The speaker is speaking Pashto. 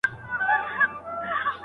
که شيدې رودونکي ماشوم ته ضرر متوجه کيدی.